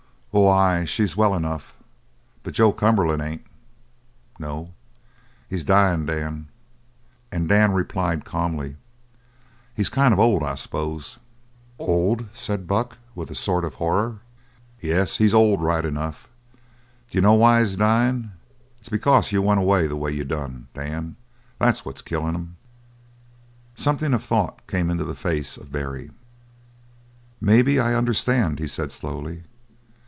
"Oh, ay, she's well enough. But Joe Cumberland ain't." "No?" "He's dyin' Dan." And Dan replied calmly. "He's kind of old, I s'pose." "Old?" said Buck, with a sort of horror. "Yes, he's old, right enough. D'you know why he's dying? It's because you went away the way you done, Dan. That's what's killin' him." Something of thought came in the face of Barry. "Maybe I understand," he said slowly.